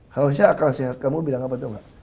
harusnya akal sehat kamu bilang apa tuh